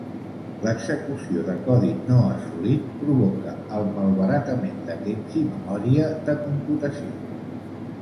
L'execució de codi no assolit provoca el malbaratament de temps i memòria de computació.